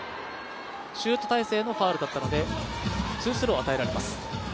シュート体勢のファウルだったのでツースロー与えられます。